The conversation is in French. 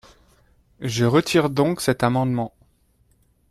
Je retire donc cet amendement.